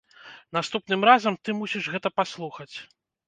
Наступным разам ты мусіш гэта паслухаць!